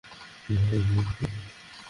সত্যি বলতে, প্রশ্ন আমার করা উচিত।